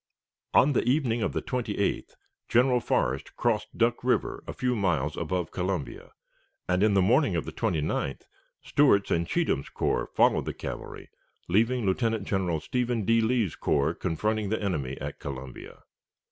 On the evening of the 28th General Forrest crossed Duck River a few miles above Columbia, and in the morning of the 29th Stewart's and Cheatham's corps followed the cavalry, leaving Lieutenant General Stephen D. Lee's corps confronting the enemy at Columbia.